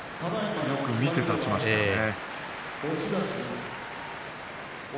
よく見て立ちましたね。